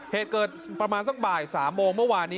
เหตุเกิดประมาณสักบ่าย๓โมงเมื่อวานนี้